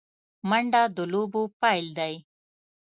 منډه د لوبو پیل دی